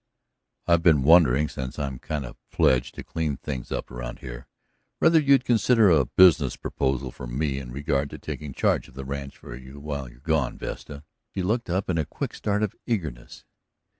"I've been wondering, since I'm kind of pledged to clean things up here, whether you'd consider a business proposal from me in regard to taking charge of the ranch for you while you're gone, Vesta." She looked up with a quick start of eagerness.